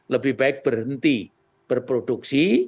lebih baik berhenti berproduksi